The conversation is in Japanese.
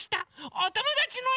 おともだちのえを。